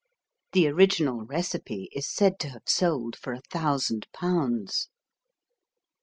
The original recipe is said to have sold for a thousand pounds.